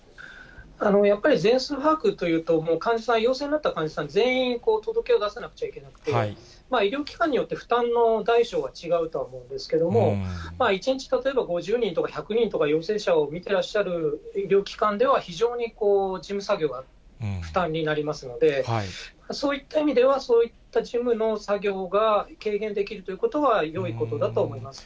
やっぱり全数把握というと、もう患者さん、陽性になった患者さん、全員届けを出さなくちゃいけなくて、医療機関によって負担の大小は違うとは思うんですけども、１日例えば、５０人とか１００人とか陽性者を見てらっしゃる医療機関では非常に事務作業が負担になりますので、そういった意味では、そういった事務の作業が軽減できるということは、よいことだと思います。